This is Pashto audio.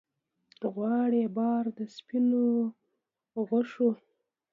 غواړي بار د سپینو غشو